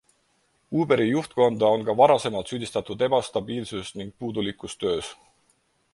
Uberi juhtkonda on ka varasemalt süüdistatud ebastabiilsus ning puudulikus töös.